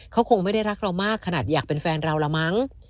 เขาคงไม่ได้รักเรามากขนาดอยากเป็นแฟนเราละมั้ง